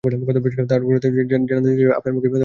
তার গোড়াতেই জানাতে চাই আপনার মুখে আমার নাম অমিতবাবু নয়।